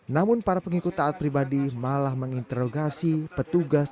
namun para pengikut taat pribadi malah menginterogasi petugas